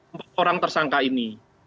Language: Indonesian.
empat orang tersangka ini